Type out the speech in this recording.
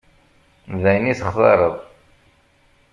D ayen i textareḍ.